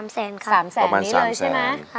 ๓แสนครับประมาณ๓แสน